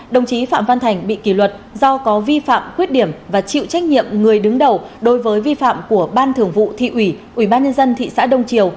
đồng chí phạm văn thành bị kỷ luật do có vi phạm khuyết điểm và chịu trách nhiệm người đứng đầu đối với vi phạm của ban thường vụ thị ủy ubnd thị xã đông triều